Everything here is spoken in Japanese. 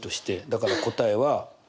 だから答えは。